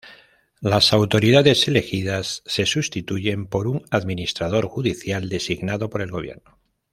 Las autoridades elegidas se sustituyen por un administrador judicial designado por el Gobierno.